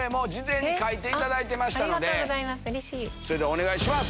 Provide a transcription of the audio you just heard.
それではお願いします！